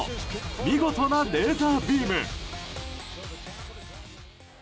見事なレーザービーム。